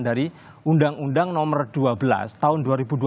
dari undang undang nomor dua belas tahun dua ribu dua puluh